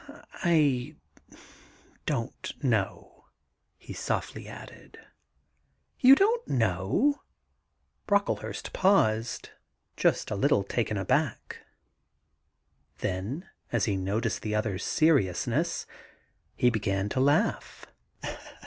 ' I don't know/ he softly added. 'You don't know I' Brocklehurst paused, just a little taken aback. Then as he noticed the other's seriousness he began to laugh.